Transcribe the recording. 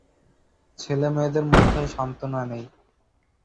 ছেলেমেয়েদের মধ্যেও সান্ত্বনা নেই।